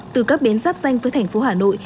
từ các bến giáp danh với thành phố hà nội